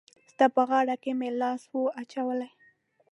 ستا په غاړه کي مي لاس وو اچولی